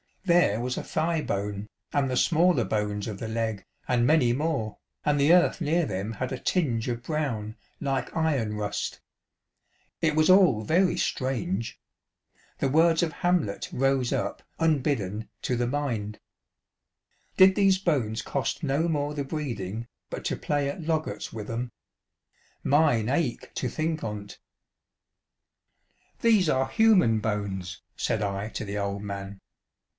There was a thigh bone, and the smaller bones of the leg, and many more, and the earth near them had a tinge of brown, like iron rust. It was all very strange. The words of Hamlet rose up, unbidden, to the mind :" Did these bones cost no more the breeding, but to play at loggats with 'em ? Mine ache to think on' t." " These are human bones," said I to the old man.